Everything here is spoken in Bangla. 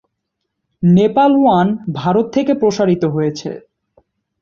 নেপাল ওয়ান ভারত থেকে প্রসারিত হয়েছে।